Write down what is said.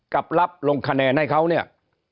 กับรับลงคะแนนให้เขาเนี่ย